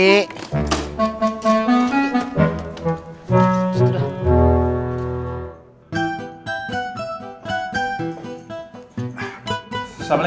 sampai jumpa lagi